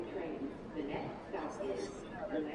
Presenta densos montes franja o fluviales en su curso inferior.